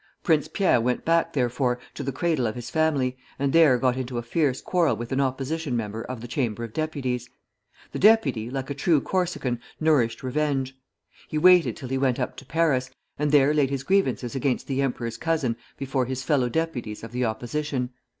Prince Pierre went back, therefore, to the cradle of his family, and there got into a fierce quarrel with an opposition member of the Chamber of Deputies. The deputy, like a true Corsican, nourished revenge. He waited till he went up to Paris, and there laid his grievances against the emperor's cousin before his fellow deputies of the opposition.